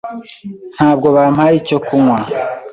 Ntabwo bampaye icyo kunywa.